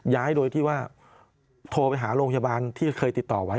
ย้ายโดยที่ว่าโทรไปหาโรงพยาบาลที่เคยติดต่อไว้